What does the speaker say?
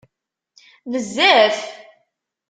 Bezzaf!